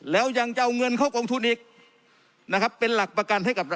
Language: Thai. แล้วยังจะเอาเงินเข้ากองทุนอีกนะครับเป็นหลักประกันให้กับรัฐ